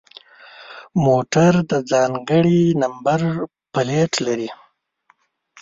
موټر د ځانگړي نمبر پلیت لري.